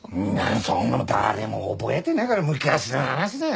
そんなの誰も覚えてないぐらい昔の話だよ